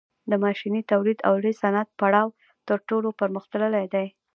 د ماشیني تولید او لوی صنعت پړاو تر ټولو پرمختللی دی